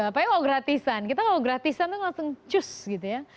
apalagi kalau gratisan kita kalau gratisan itu langsung cus gitu ya